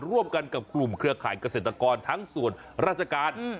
ร่วมกันกับกลุ่มเครือข่ายเกษตรกรทั้งส่วนราชการ